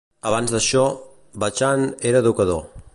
Abans d'això, Bachand era educador.